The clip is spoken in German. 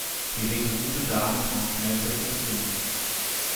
Die resolute Dame kam schnell wieder zur Besinnung.